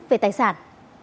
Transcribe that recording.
về tài sản